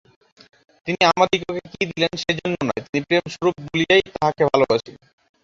তিনি আমাদিগকে কি দিলেন সেজন্য নয়, তিনি প্রেমস্বরূপ বলিয়াই তাঁহাকে ভালবাসি।